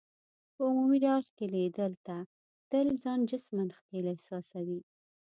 په عمومي ډول ښکیلېدل، ته تل ځان جسماً ښکېل احساسوې.